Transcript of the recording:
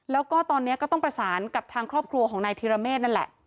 แล้วก็ตอนนี้ก็ต้องประสานกับทางครอบครัวของนายธิรเมฆนั่นแหละ